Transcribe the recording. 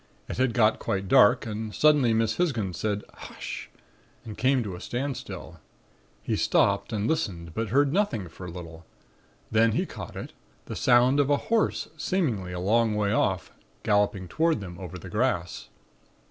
It had got quite dark and suddenly Miss Hisgins said: 'Hush!' and came to a standstill. He stopped and listened, but heard nothing for a little. Then he caught it the sound of a horse, seemingly a long way off, galloping toward them over the grass.